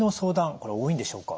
これ多いんでしょうか？